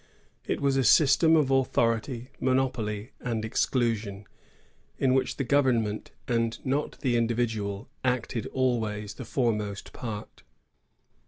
It was a system of authority, monopoly, and exclusion, in which the government, and not the individual, acted always the foremost part.